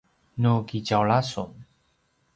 nu kitjaula sun